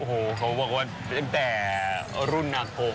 โอ้โหเขาบอกว่าตั้งแต่รุ่นนาคม